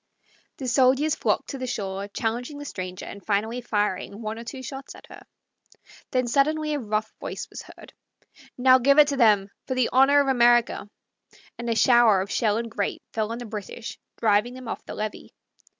The soldiers flocked to the shore, challenging the stranger, and finally fired one or two shots at her. Then suddenly a rough voice was heard, "Now give it to them, for the honor of America!" and a shower of shell and grape fell on the British, driving them off the levee.